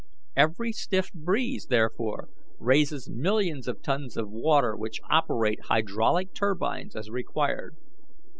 Every stiff breeze, therefore, raises millions of tons of water which operate hydraulic turbines as required.